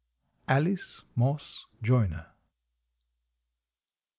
Alice Moss Joyner.